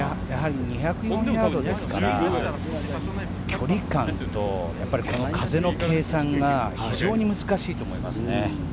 ２０４ヤードですから距離感とやっぱり風の計算が非常に難しいと思いますね。